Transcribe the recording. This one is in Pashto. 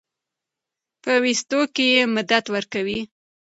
پۀ ويستو کښې مدد ورکوي